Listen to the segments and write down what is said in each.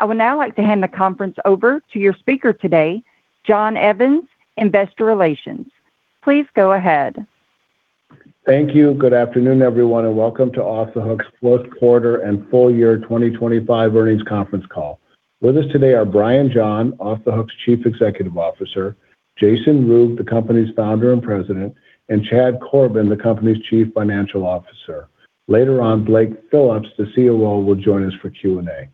I would now like to hand the conference over to your speaker today, John Evans, Investor Relations. Please go ahead. Thank you. Good afternoon, everyone, and welcome to Off The Hook's Fourth Quarter and Full Year 2025 Earnings Conference Call. With us today are Brian John, Off The Hook's Chief Executive Officer, Jason Ruegg, the company's Founder and President, and Chad Corbin, the company's Chief Financial Officer. Later on, Blake Phillips, the COO, will join us for Q&A.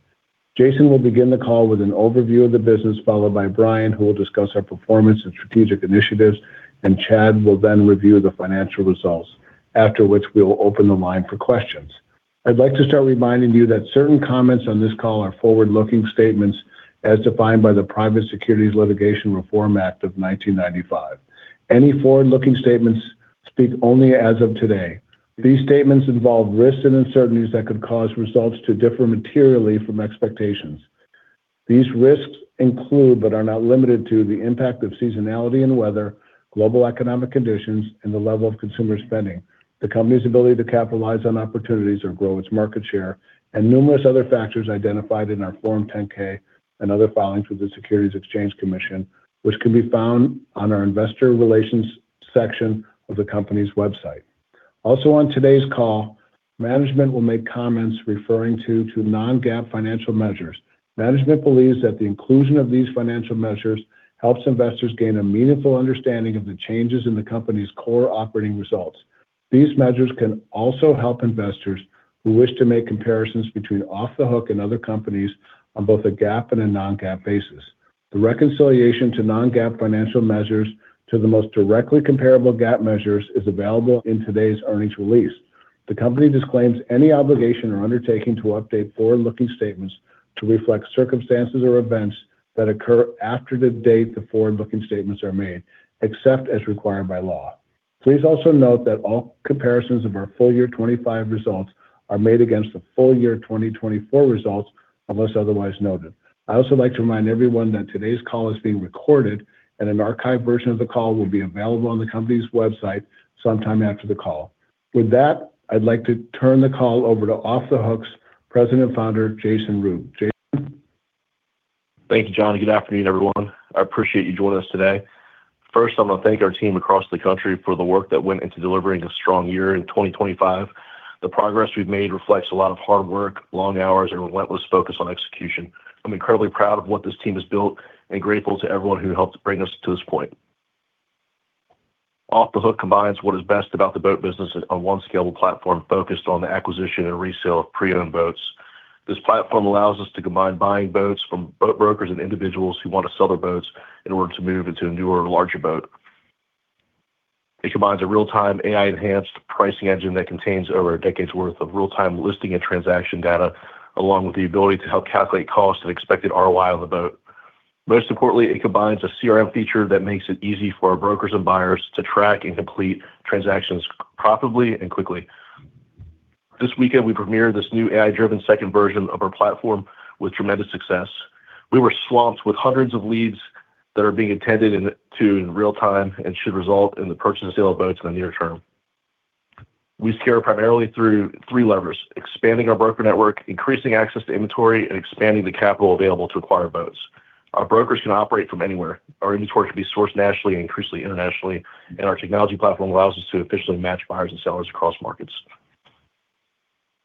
Jason will begin the call with an overview of the business, followed by Brian, who will discuss our performance and strategic initiatives, and Chad will then review the financial results, after which we will open the line for questions. I'd like to start reminding you that certain comments on this call are forward-looking statements as defined by the Private Securities Litigation Reform Act of 1995. Any forward-looking statements speak only as of today. These statements involve risks and uncertainties that could cause results to differ materially from expectations. These risks include, but are not limited to, the impact of seasonality and weather, global economic conditions, and the level of consumer spending, the company's ability to capitalize on opportunities or grow its market share, and numerous other factors identified in our Form 10-K and other filings with the Securities and Exchange Commission, which can be found on our investor relations section of the company's website. Also on today's call, management will make comments referring to non-GAAP financial measures. Management believes that the inclusion of these financial measures helps investors gain a meaningful understanding of the changes in the company's core operating results. These measures can also help investors who wish to make comparisons between Off The Hook Yachts and other companies on both a GAAP and a non-GAAP basis. The reconciliation of non-GAAP financial measures to the most directly comparable GAAP measures is available in today's earnings release. The company disclaims any obligation or undertaking to update forward-looking statements to reflect circumstances or events that occur after the date the forward-looking statements are made, except as required by law. Please also note that all comparisons of our full year 2025 results are made against the full year 2024 results, unless otherwise noted. I also like to remind everyone that today's call is being recorded, and an archived version of the call will be available on the company's website sometime after the call. With that, I'd like to turn the call over to Off The Hook's President and Founder, Jason Ruegg. Jason? Thank you, John. Good afternoon, everyone. I appreciate you joining us today. First, I want to thank our team across the country for the work that went into delivering a strong year in 2025. The progress we've made reflects a lot of hard work, long hours, and relentless focus on execution. I'm incredibly proud of what this team has built and grateful to everyone who helped bring us to this point. Off The Hook YS combines what is best about the boat business on one scalable platform focused on the acquisition and resale of pre-owned boats. This platform allows us to combine buying boats from boat brokers and individuals who want to sell their boats in order to move into a newer, larger boat. It combines a real-time AI-enhanced pricing engine that contains over a decade's worth of real-time listing and transaction data, along with the ability to help calculate cost and expected ROI on the boat. Most importantly, it combines a CRM feature that makes it easy for our brokers and buyers to track and complete transactions profitably and quickly. This weekend, we premiered this new AI-driven second version of our platform with tremendous success. We were swamped with hundreds of leads that are being attended to in real time and should result in the purchase and sale of boats in the near term. We scale primarily through three levers, expanding our broker network, increasing access to inventory, and expanding the capital available to acquire boats. Our brokers can operate from anywhere. Our inventory can be sourced nationally and increasingly internationally, and our technology platform allows us to efficiently match buyers and sellers across markets.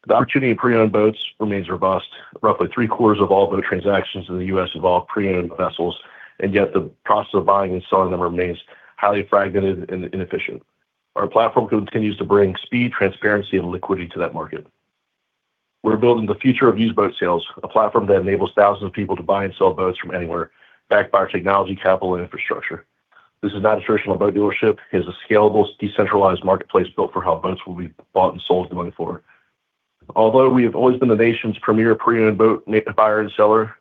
The opportunity in pre-owned boats remains robust. Roughly three-quarters of all boat transactions in the U.S. involve pre-owned vessels, and yet the process of buying and selling them remains highly fragmented and inefficient. Our platform continues to bring speed, transparency, and liquidity to that market. We're building the future of used boat sales, a platform that enables thousands of people to buy and sell boats from anywhere, backed by our technology, capital, and infrastructure. This is not a traditional boat dealership. It is a scalable, decentralized marketplace built for how boats will be bought and sold going forward. Although we have always been the nation's premier pre-owned boat buyer and seller,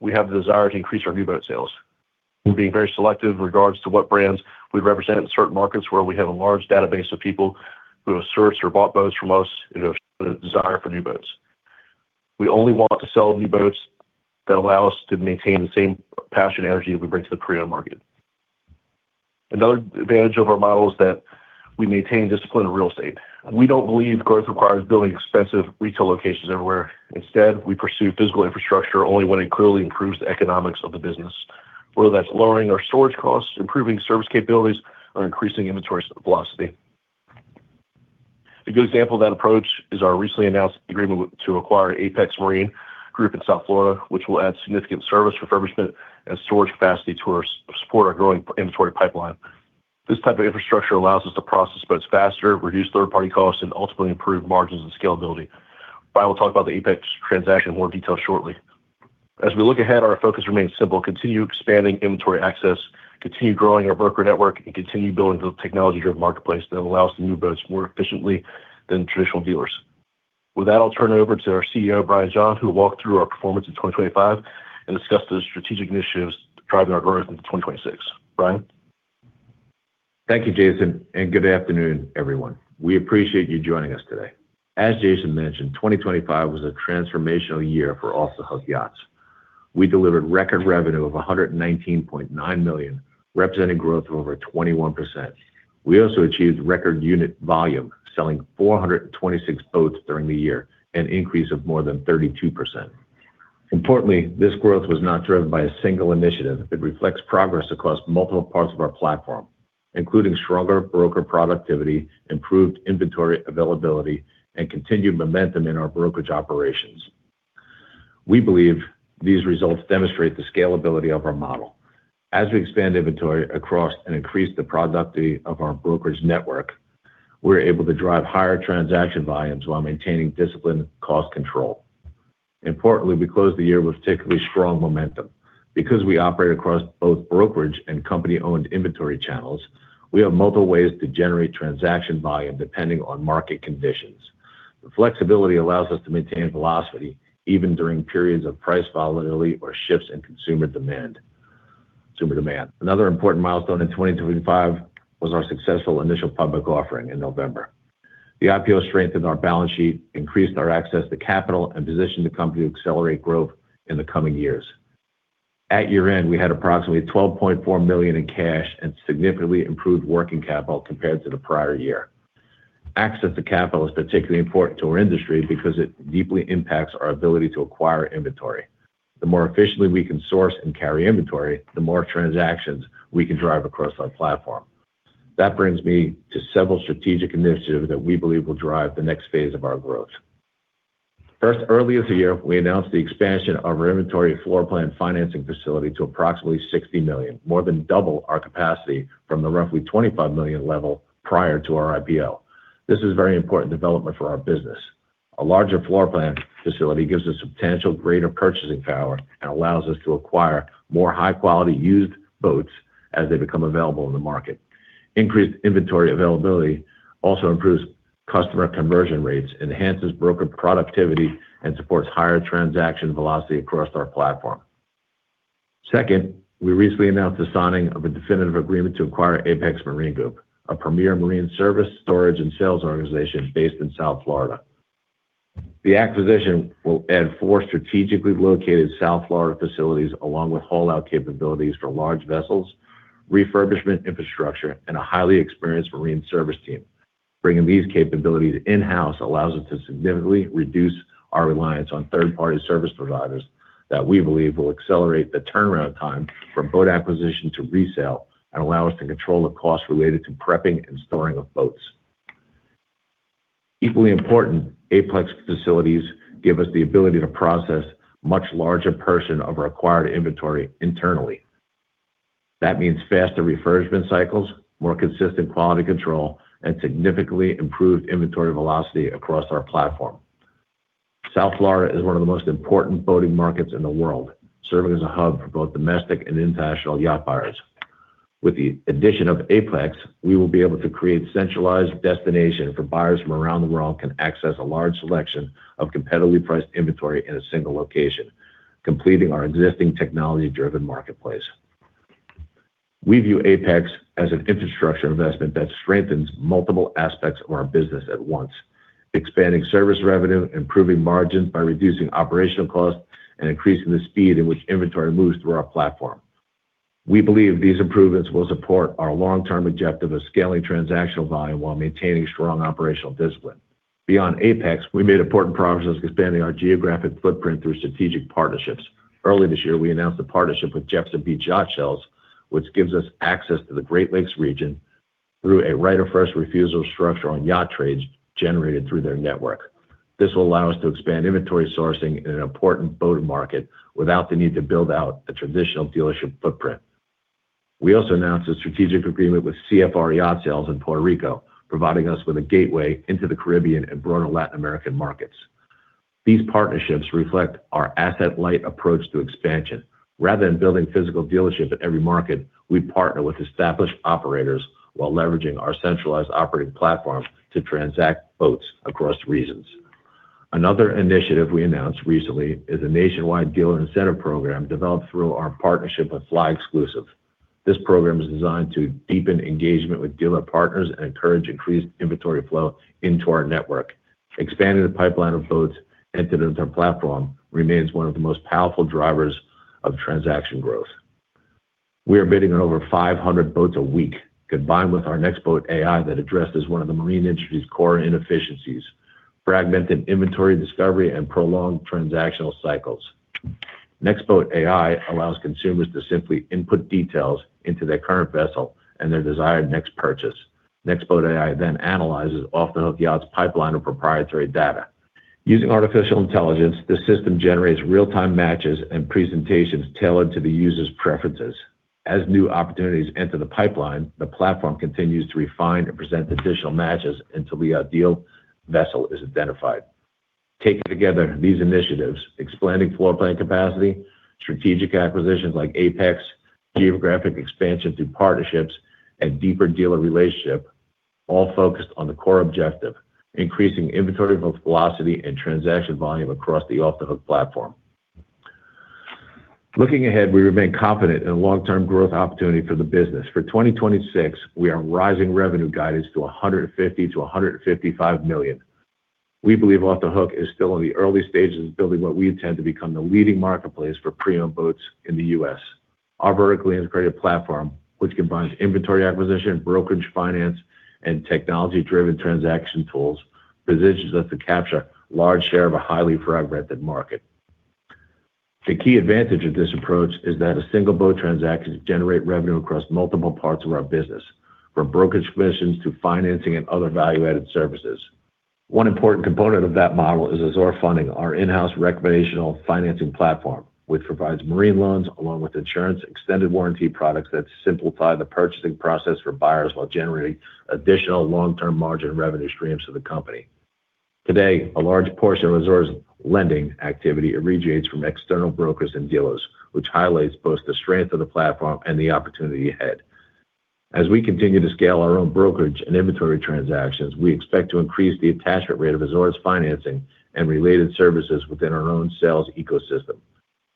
we have the desire to increase our new boat sales. We're being very selective in regards to what brands we represent in certain markets where we have a large database of people who have sourced or bought boats from us and have shown a desire for new boats. We only want to sell new boats that allow us to maintain the same passion and energy that we bring to the pre-owned market. Another advantage of our model is that we maintain discipline in real estate. We don't believe growth requires building expensive retail locations everywhere. Instead, we pursue physical infrastructure only when it clearly improves the economics of the business, whether that's lowering our storage costs, improving service capabilities, or increasing inventory velocity. A good example of that approach is our recently announced agreement to acquire Apex Marine Group in South Florida, which will add significant service, refurbishment, and storage capacity to support our growing inventory pipeline. This type of infrastructure allows us to process boats faster, reduce third-party costs, and ultimately improve margins and scalability. Brian will talk about the Apex transaction in more detail shortly. As we look ahead, our focus remains simple. Continue expanding inventory access, continue growing our broker network, and continue building the technology-driven marketplace that allows to move boats more efficiently than traditional dealers. With that, I'll turn it over to our CEO, Brian John, who will walk through our performance in 2025 and discuss the strategic initiatives driving our growth into 2026. Brian? Thank you, Jason, and good afternoon, everyone. We appreciate you joining us today. As Jason mentioned, 2025 was a transformational year for Off The Hook Yachts. We delivered record revenue of $119.9 million, representing growth of over 21%. We also achieved record unit volume, selling 426 boats during the year, an increase of more than 32%. Importantly, this growth was not driven by a single initiative. It reflects progress across multiple parts of our platform, including stronger broker productivity, improved inventory availability, and continued momentum in our brokerage operations. We believe these results demonstrate the scalability of our model. As we expand inventory across and increase the productivity of our brokerage network, we're able to drive higher transaction volumes while maintaining disciplined cost control. Importantly, we closed the year with particularly strong momentum. Because we operate across both brokerage and company-owned inventory channels, we have multiple ways to generate transaction volume depending on market conditions. The flexibility allows us to maintain velocity even during periods of price volatility or shifts in consumer demand. Another important milestone in 2025 was our successful initial public offering in November. The IPO strengthened our balance sheet, increased our access to capital, and positioned the company to accelerate growth in the coming years. At year-end, we had approximately $12.4 million in cash and significantly improved working capital compared to the prior year. Access to capital is particularly important to our industry because it deeply impacts our ability to acquire inventory. The more efficiently we can source and carry inventory, the more transactions we can drive across our platform. That brings me to several strategic initiatives that we believe will drive the next phase of our growth. First, early this year, we announced the expansion of our inventory floor plan financing facility to approximately $60 million, more than double our capacity from the roughly $25 million level prior to our IPO. This is a very important development for our business. A larger floor plan facility gives us substantially greater purchasing power and allows us to acquire more high-quality used boats as they become available in the market. Increased inventory availability also improves customer conversion rates, enhances broker productivity, and supports higher transaction velocity across our platform. Second, we recently announced the signing of a definitive agreement to acquire Apex Marine Group, a premier marine service, storage, and sales organization based in South Florida. The acquisition will add four strategically located South Florida facilities, along with haul out capabilities for large vessels, refurbishment infrastructure, and a highly experienced marine service team. Bringing these capabilities in-house allows us to significantly reduce our reliance on third-party service providers that we believe will accelerate the turnaround time from boat acquisition to resale and allow us to control the costs related to prepping and storing of boats. Equally important, Apex facilities give us the ability to process a much larger portion of our acquired inventory internally. That means faster refurbishment cycles, more consistent quality control, and significantly improved inventory velocity across our platform. South Florida is one of the most important boating markets in the world, serving as a hub for both domestic and international yacht buyers. With the addition of Apex, we will be able to create a centralized destination where buyers from around the world can access a large selection of competitively priced inventory in a single location, completing our existing technology-driven marketplace. We view Apex as an infrastructure investment that strengthens multiple aspects of our business at once, expanding service revenue, improving margins by reducing operational costs, and increasing the speed in which inventory moves through our platform. We believe these improvements will support our long-term objective of scaling transactional volume while maintaining strong operational discipline. Beyond Apex, we made important progress expanding our geographic footprint through strategic partnerships. Early this year, we announced a partnership with Jefferson Beach Yacht Sales, which gives us access to the Great Lakes region through a right of first refusal structure on yacht trades generated through their network. This will allow us to expand inventory sourcing in an important boat market without the need to build out a traditional dealership footprint. We also announced a strategic agreement with CFR Yacht Sales in Puerto Rico, providing us with a gateway into the Caribbean and broader Latin American markets. These partnerships reflect our asset-light approach to expansion. Rather than building physical dealerships at every market, we partner with established operators while leveraging our centralized operating platform to transact boats across regions. Another initiative we announced recently is a nationwide dealer incentive program developed through our partnership with flyExclusive. This program is designed to deepen engagement with dealer partners and encourage increased inventory flow into our network. Expanding the pipeline of boats entered into our platform remains one of the most powerful drivers of transaction growth. We are bidding on over 500 boats a week, combined with our NextBoat AI that addresses one of the marine industry's core inefficiencies, fragmented inventory discovery and prolonged transactional cycles. NextBoat AI allows consumers to simply input details into their current vessel and their desired next purchase. NextBoat AI then analyzes Off The Hook Yachts' pipeline of proprietary data. Using artificial intelligence, this system generates real-time matches and presentations tailored to the user's preferences. As new opportunities enter the pipeline, the platform continues to refine and present additional matches until the ideal vessel is identified. Taken together, these initiatives, expanding floor plan capacity, strategic acquisitions like Apex, geographic expansion through partnerships, and deeper dealer relationship, all focused on the core objective, increasing inventory velocity and transaction volume across the Off The Hook platform. Looking ahead, we remain confident in the long-term growth opportunity for the business. For 2026, we are raising revenue guidance to $150 million-$155 million. We believe Off The Hook is still in the early stages of building what we intend to become the leading marketplace for pre-owned boats in the U.S. Our vertically integrated platform, which combines inventory acquisition, brokerage, finance, and technology-driven transaction tools, positions us to capture a large share of a highly fragmented market. The key advantage of this approach is that a single boat transaction can generate revenue across multiple parts of our business, from brokerage commissions to financing and other value-added services. One important component of that model is Azure Funding, our in-house recreational financing platform, which provides marine loans along with insurance extended warranty products that simplify the purchasing process for buyers while generating additional long-term margin revenue streams for the company. Today, a large portion of Azure's lending activity originates from external brokers and dealers, which highlights both the strength of the platform and the opportunity ahead. As we continue to scale our own brokerage and inventory transactions, we expect to increase the attachment rate of Azure's financing and related services within our own sales ecosystem.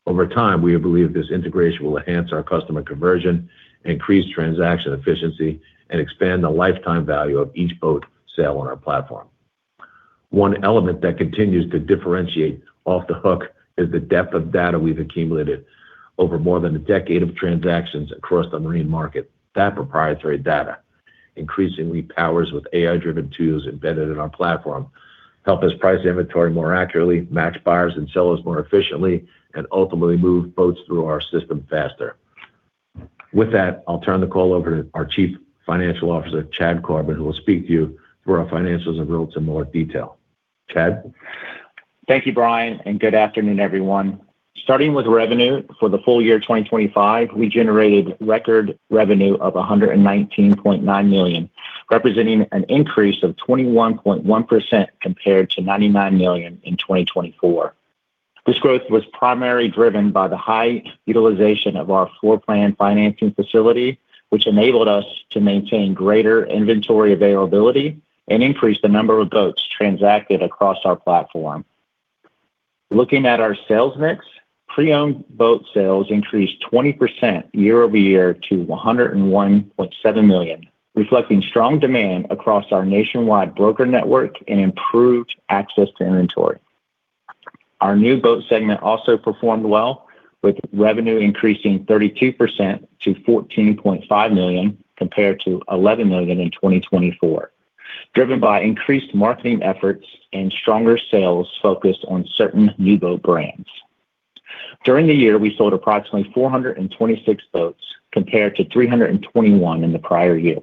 Over time, we believe this integration will enhance our customer conversion, increase transaction efficiency, and expand the lifetime value of each boat sale on our platform. One element that continues to differentiate Off The Hook is the depth of data we've accumulated over more than a decade of transactions across the marine market. That proprietary data increasingly powers with AI-driven tools embedded in our platform, help us price inventory more accurately, match buyers and sellers more efficiently, and ultimately move boats through our system faster. With that, I'll turn the call over to our Chief Financial Officer, Chad Corbin, who will speak to you through our financials in real-time more detail. Chad? Thank you, Brian, and good afternoon, everyone. Starting with revenue, for the full year 2025, we generated record revenue of $119.9 million, representing an increase of 21.1% compared to $99 million in 2024. This growth was primarily driven by the high utilization of our floor plan financing facility, which enabled us to maintain greater inventory availability and increase the number of boats transacted across our platform. Looking at our sales mix, pre-owned boat sales increased 20% year-over-year to $101.7 million, reflecting strong demand across our nationwide broker network and improved access to inventory. Our new boat segment also performed well, with revenue increasing 32% to $14.5 million compared to $11 million in 2024, driven by increased marketing efforts and stronger sales focused on certain new boat brands. During the year, we sold approximately 426 boats compared to 321 in the prior year.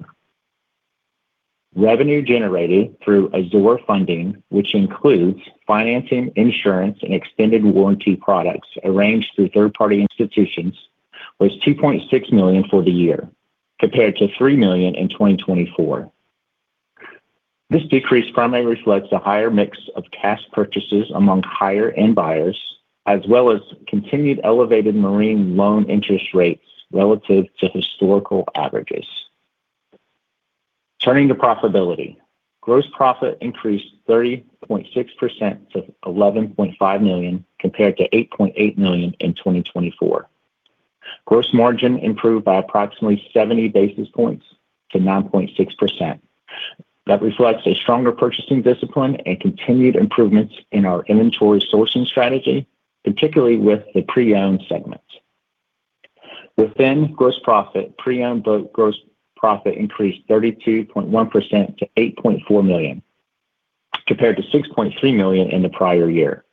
Revenue generated through Azure Funding, which includes financing, insurance, and extended warranty products arranged through third-party institutions, was $2.6 million for the year compared to $3 million in 2024. This decrease primarily reflects the higher mix of cash purchases among higher-end buyers, as well as continued elevated marine loan interest rates relative to historical averages. Turning to profitability, gross profit increased 30.6% to $11.5 million compared to $8.8 million in 2024. Gross margin improved by approximately 70 basis points to 9.6%. That reflects a stronger purchasing discipline and continued improvements in our inventory sourcing strategy, particularly with the pre-owned segment. Within gross profit, pre-owned boat gross profit increased 32.1% to $8.4 million compared to $6.3 million in the prior year.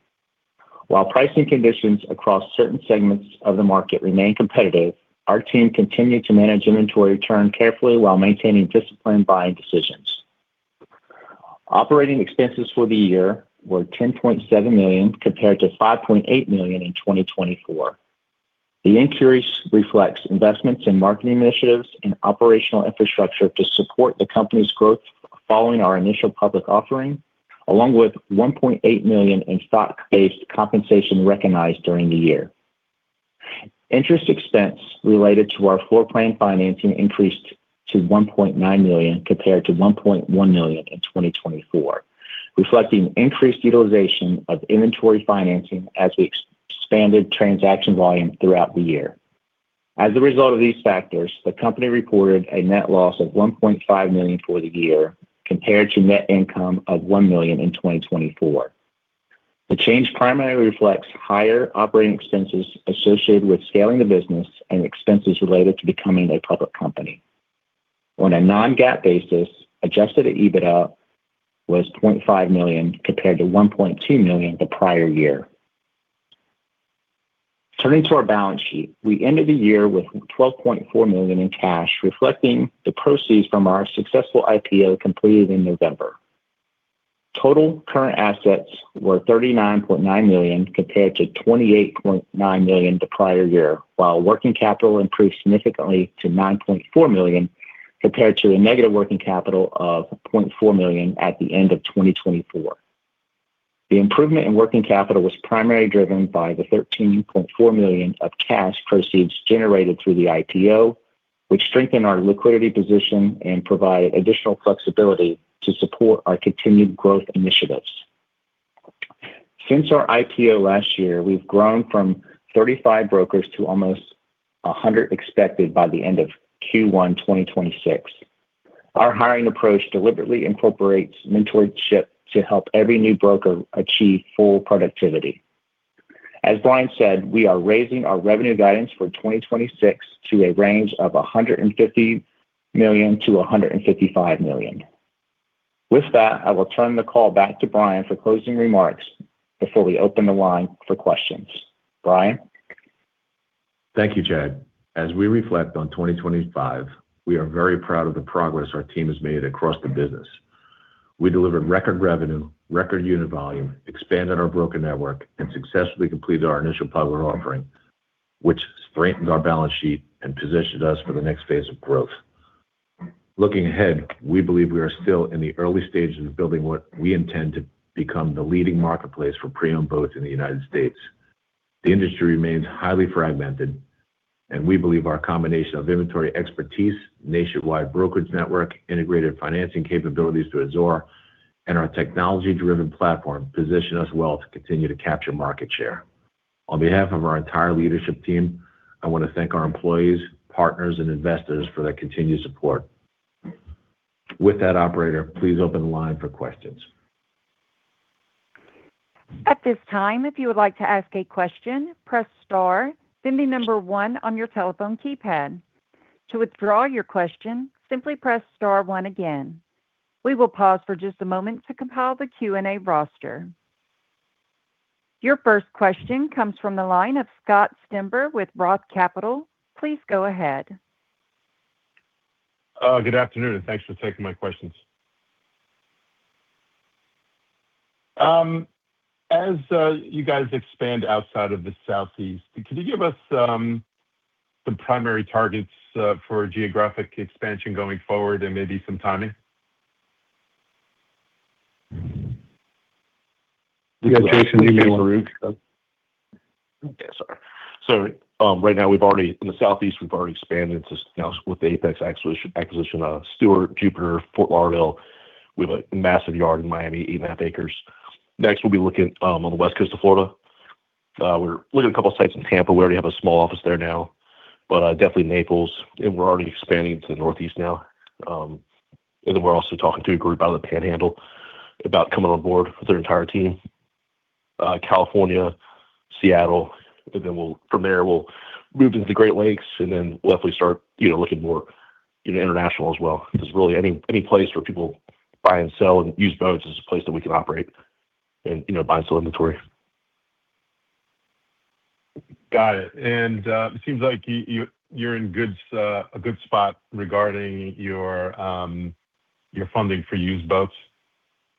While pricing conditions across certain segments of the market remain competitive, our team continued to manage inventory turn carefully while maintaining disciplined buying decisions. Operating expenses for the year were $10.7 million compared to $5.8 million in 2024. The increase reflects investments in marketing initiatives and operational infrastructure to support the company's growth following our initial public offering, along with $1.8 million in stock-based compensation recognized during the year. Interest expense related to our floor plan financing increased to $1.9 million compared to $1.1 million in 2024, reflecting increased utilization of inventory financing as we expanded transaction volume throughout the year. As a result of these factors, the company reported a net loss of $1.5 million for the year compared to net income of $1 million in 2024. The change primarily reflects higher operating expenses associated with scaling the business and expenses related to becoming a public company. On a non-GAAP basis, adjusted EBITDA was $0.5 million compared to $1.2 million the prior year. Turning to our balance sheet, we ended the year with $12.4 million in cash, reflecting the proceeds from our successful IPO completed in November. Total current assets were $39.9 million compared to $28.9 million the prior year, while working capital increased significantly to $9.4 million compared to a negative working capital of $0.4 million at the end of 2024. The improvement in working capital was primarily driven by the $13.4 million of cash proceeds generated through the IPO, which strengthened our liquidity position and provided additional flexibility to support our continued growth initiatives. Since our IPO last year, we've grown from 35 brokers to almost 100 expected by the end of Q1 2026. Our hiring approach deliberately incorporates mentorship to help every new broker achieve full productivity. As Brian said, we are raising our revenue guidance for 2026 to a range of $150 million-$155 million. With that, I will turn the call back to Brian for closing remarks before we open the line for questions. Brian? Thank you, Chad. As we reflect on 2025, we are very proud of the progress our team has made across the business. We delivered record revenue, record unit volume, expanded our broker network and successfully completed our initial public offering, which strengthened our balance sheet and positioned us for the next phase of growth. Looking ahead, we believe we are still in the early stages of building what we intend to become the leading marketplace for pre-owned boats in the United States. The industry remains highly fragmented, and we believe our combination of inventory expertise, nationwide brokerage network, integrated financing capabilities through Azure, and our technology-driven platform position us well to continue to capture market share. On behalf of our entire leadership team, I want to thank our employees, partners, and investors for their continued support. With that, operator, please open the line for questions. At this time, if you would like to ask a question, press star, then the number one on your telephone keypad. To withdraw your question, simply press star one again. We will pause for just a moment to compile the Q&A roster. Your first question comes from the line of Scott Stember with Roth Capital. Please go ahead. Good afternoon, and thanks for taking my questions. As you guys expand outside of the Southeast, could you give us some primary targets for geographic expansion going forward and maybe some timing? Yeah. Jason, do you want to? Yeah. Sorry. Right now, we've already expanded in the Southeast now with the Apex acquisition of Stuart, Jupiter, Fort Lauderdale. We have a massive yard in Miami, 8.5 Acres. Next, we'll be looking on the West Coast of Florida. We're looking at a couple of sites in Tampa. We already have a small office there now. Definitely Naples, and we're already expanding to the Northeast now. Then we're also talking to a group out of the Panhandle about coming on board with their entire team. California, Seattle, and then from there, we'll move into the Great Lakes, and then we'll hopefully start, you know, looking more, you know, international as well. Just really any place where people buy and sell used boats is a place that we can operate and, you know, buy and sell inventory. Got it. It seems like you're in a good spot regarding your funding for used boats.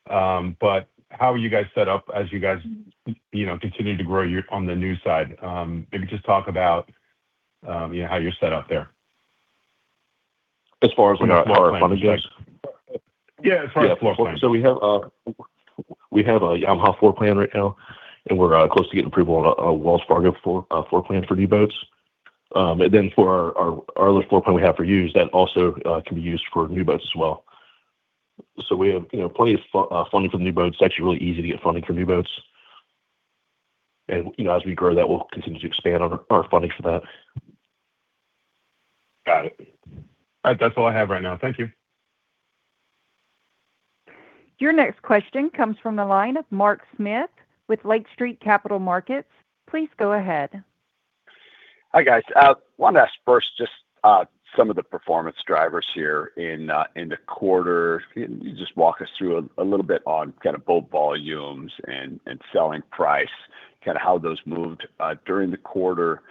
How are you guys set up as you guys you know continue to grow on the new side? Maybe just talk about you know how you're set up there. We have a Yamaha floor plan right now, and we're close to getting approval on a Wells Fargo floor plan for new boats. Then for our other floor plan we have for used, that also can be used for new boats as well. We have, you know, plenty of funding for the new boats. It's actually really easy to get funding for new boats. You know, as we grow that, we'll continue to expand on our funding for that. Got it. That's all I have right now. Thank you. Your next question comes from the line of Mark Smith with Lake Street Capital Markets. Please go ahead. Hi, guys. I wanted to ask first just some of the performance drivers here in the quarter. Can you just walk us through a little bit on kind of boat volumes and selling price, kind of how those moved during the quarter?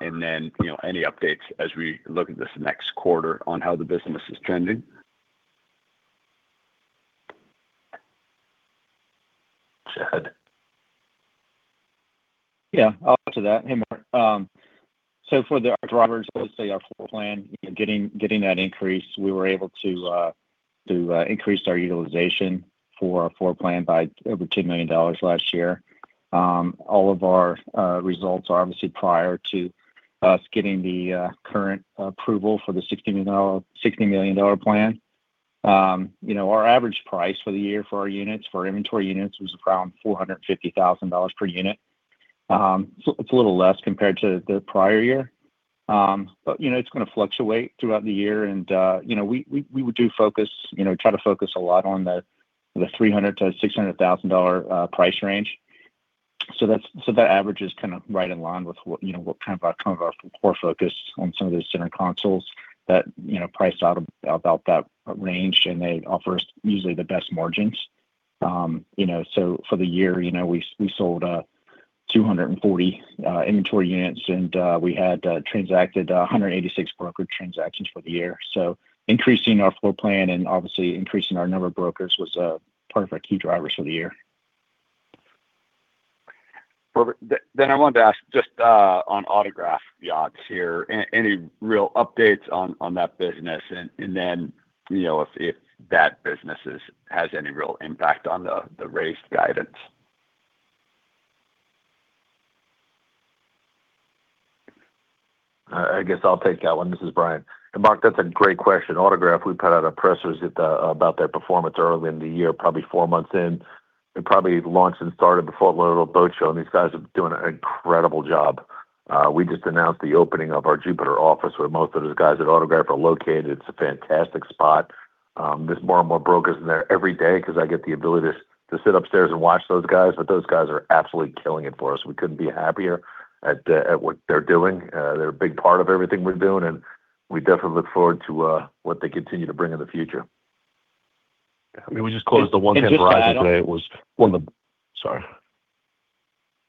You know, any updates as we look at this next quarter on how the business is trending? Chad? Yeah. I'll answer that. Hey, Mark. So for our drivers, let's say our floor plan, you know, getting that increase, we were able to increase our utilization for our floor plan by over $2 million last year. All of our results are obviously prior to us getting the current approval for the $60 million plan. You know, our average price for the year for our units, for our inventory units was around $450,000 per unit. So it's a little less compared to the prior year. But, you know, it's going to fluctuate throughout the year. You know, we do focus, you know, try to focus a lot on the $300,000-$600,000 price range. That average is kind of right in line with what you know what kind of our core focus on some of those center consoles that you know price out about that range, and they offer us usually the best margins. For the year, we sold 240 inventory units, and we had transacted 186 brokered transactions for the year. Increasing our floor plan and obviously increasing our number of brokers was part of our key drivers for the year. Perfect. I wanted to ask just on Autograph Yacht Group here, any real updates on that business and then, you know, if that business has any real impact on the raised guidance? I guess I'll take that one. This is Brian. Mark, that's a great question. Autograph, we put out a press release about their performance early in the year, probably four months in. It probably launched and started before a little boat show, and these guys are doing an incredible job. We just announced the opening of our Jupiter office, where most of those guys at Autograph are located. It's a fantastic spot. There's more and more brokers in there every day because I get the ability to sit upstairs and watch those guys, but those guys are absolutely killing it for us. We couldn't be happier at what they're doing. They're a big part of everything we're doing, and we definitely look forward to what they continue to bring in the future. I mean, we just closed the [inaudible] today. Go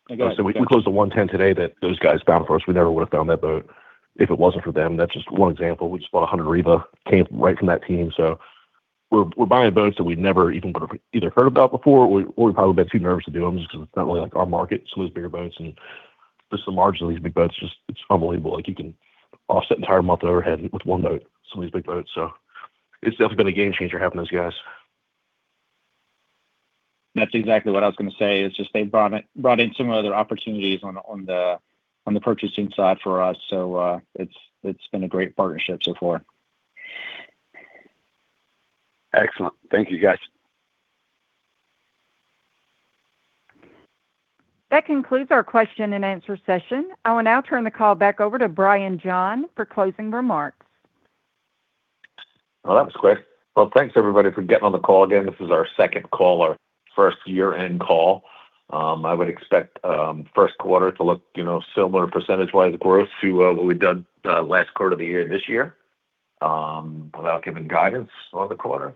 ahead. We closed the 110 today that those guys found for us. We never would have found that boat if it wasn't for them. That's just one example. We just bought a 100 Riva, came right from that team. We're buying boats that we never even would have either heard about before or probably been too nervous to do them just 'cause it's not really like our market, some of these bigger boats. Just the margin of these big boats, just it's unbelievable. Like, you can offset the entire month overhead with one boat, some of these big boats. It's definitely been a game changer having those guys. That's exactly what I was gonna say, is just they've brought in some other opportunities on the purchasing side for us. It's been a great partnership so far. Excellent. Thank you, guys. That concludes our question and answer session. I will now turn the call back over to Brian John for closing remarks. Well, that was quick. Well, thanks everybody for getting on the call again. This is our second call, our first year-end call. I would expect first quarter to look, you know, similar percentage-wise growth to what we've done the last quarter of the year this year, without giving guidance on the quarter.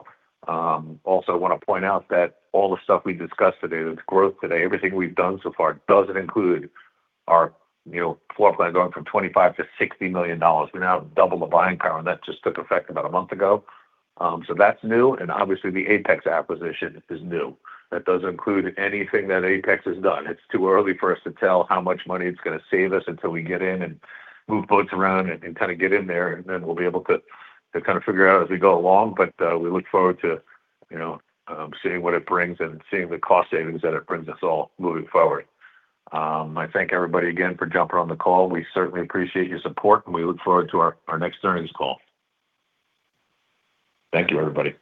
I also want to point out that all the stuff we discussed today, the growth today, everything we've done so far doesn't include our, you know, floor plan going from $25 million-$60 million. We now have double the buying power, and that just took effect about a month ago. So that's new, and obviously the Apex acquisition is new. That doesn't include anything that Apex has done. It's too early for us to tell how much money it's going to save us until we get in and move boats around and kind of get in there, and then we'll be able to kind of figure out as we go along. We look forward to, you know, seeing what it brings and seeing the cost savings that it brings us all moving forward. I thank everybody again for jumping on the call. We certainly appreciate your support, and we look forward to our next earnings call. Thank you, everybody.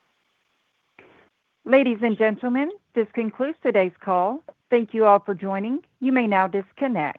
Ladies and gentlemen, this concludes today's call. Thank you all for joining. You may now disconnect.